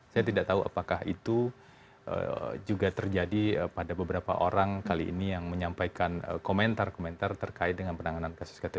saya tidak tahu apakah itu juga terjadi pada beberapa orang kali ini yang menyampaikan komentar komentar terkait dengan penanganan kasus ktp